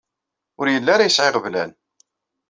Ur yelli ara yesɛa iɣeblan.